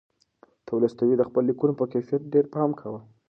تولستوی د خپلو لیکنو په کیفیت کې ډېر پام کاوه.